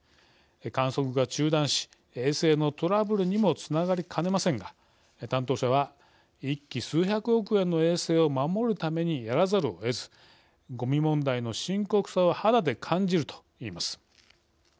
観測が中断し衛星のトラブルにもつながりかねませんが担当者は１機数百億円の衛星を守るためにやらざるをえずごみ問題の深刻さを肌で感じるといいます。